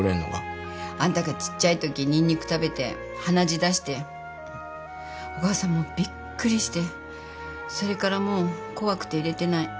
あんたがちっちゃいときニンニク食べて鼻血出してお母さんもうびっくりしてそれからもう怖くて入れてない。